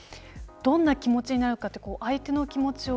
どんな気持ちになるかって相手の気持ちを